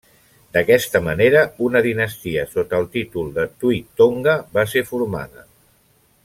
D'aquesta manera, una dinastia sota el títol de Tui Tonga va ser formada.